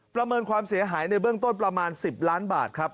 ประเมินความเสียหายในเบื้องต้นประมาณ๑๐ล้านบาทครับ